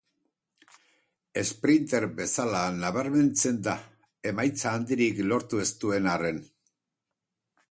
Esprinter bezala nabarmentzen da, emaitza handirik lortu ez duen arren.